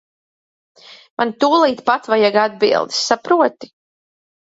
Man tūlīt pat vajag atbildes, saproti.